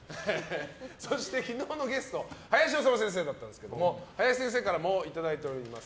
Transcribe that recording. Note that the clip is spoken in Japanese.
そして、昨日のゲスト林修先生だったんですが林先生からもいただいています。